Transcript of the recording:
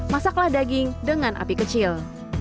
masaklah daging dengan api kecil